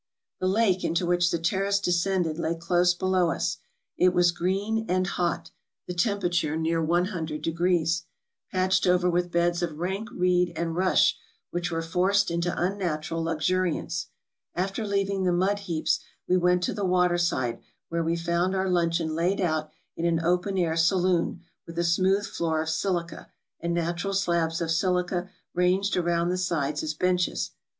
The lake into which the Terrace descended lay close below us. It was green and hot (the temperature near ioo°), patched over with beds of rank reed and rush, which 442 TRAVELERS AND EXPLORERS were forced into unnatural luxuriance. After leaving the mud heaps we went to the water side, where we found our luncheon laid out in an open air saloon, with a smooth floor of silica, and natural slabs of silica ranged around the sides as benches.